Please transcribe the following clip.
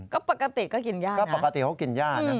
ก็ปกติก็กินย่านะฮะอืมก็ปกติเขากินย่านะ